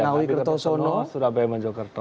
ngawi kertosono surabaya manjokerto